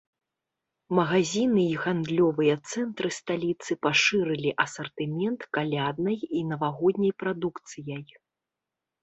Магазіны і гандлёвыя цэнтры сталіцы пашырылі асартымент каляднай і навагодняй прадукцыяй.